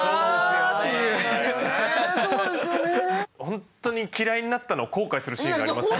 ほんとに嫌いになったのを後悔するシーンがあります。